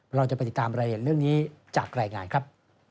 เราจะไปติดตามรายละเอียดเรื่องนี้จากรายงานครับ